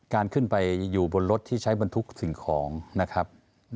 การขึ้นไปอยู่บนรถที่ใช้บรรทุกสิ่งของนะครับ